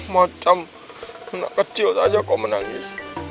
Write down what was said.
macam anak kecil saja kau menangis